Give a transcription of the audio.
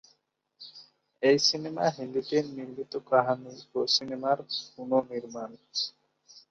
এই সিনেমা হিন্দিতে নির্মিত কাহানি সিনেমার পুনঃনির্মাণ।